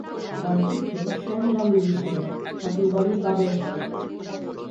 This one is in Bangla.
তার পুত্র শ্যাম গাঙ্গুলি ছিলেন ঠাকুর বাড়ির বাজার সরকার।